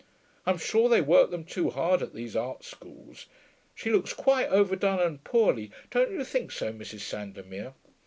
I'm sure they work them too hard at these art schools. She looks quite overdone and poorly, don't you think so, Mrs. Sandomir?'